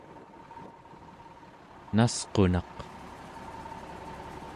nasqunaq